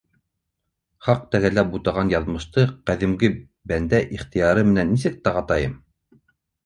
Хаҡ тәғәлә бутаған яҙмышты ҡәҙимге бәндә ихтыяры менән нисек тағатайым?!.